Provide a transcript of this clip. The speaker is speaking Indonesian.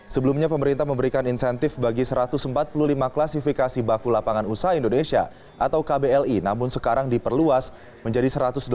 sebelumnya pemerintah memberikan insentif bagi satu ratus empat puluh lima klasifikasi baku lapangan usaha indonesia atau kbli namun sekarang diperluas menjadi satu ratus delapan puluh